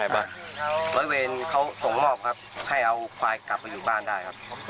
ร้อยเวรเขาส่งมอบครับให้เอาควายกลับมาอยู่บ้านได้ครับ